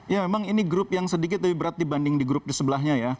ya memang ini grup yang sedikit lebih berat dibanding di grup di sebelahnya ya